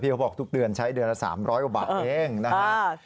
เขาบอกทุกเดือนใช้เดือนละ๓๐๐กว่าบาทเองนะฮะ